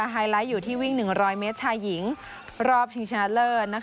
ไฮไลท์อยู่ที่วิ่ง๑๐๐เมตรชายหญิงรอบชิงชนะเลิศ